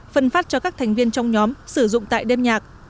phân phát cho các thành viên trong nhóm sử dụng tại đêm nhạc